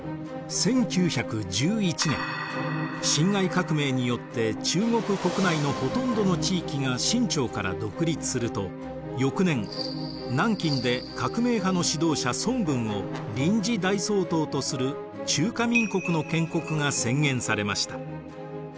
１９１１年辛亥革命によって中国国内のほとんどの地域が清朝から独立すると翌年南京で革命派の指導者孫文を臨時大総統とする中華民国の建国が宣言されました。